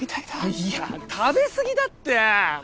いや食べすぎだって！